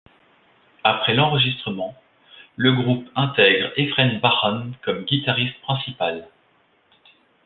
Après l'enregistrement, le groupe intègre Efren Barón comme guitariste principal.